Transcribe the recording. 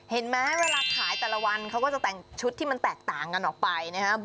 เห็นไหมเวลาขายแต่ละวันเขาก็จะแต่งชุดที่มันแตกต่างกันออกไปนะครับ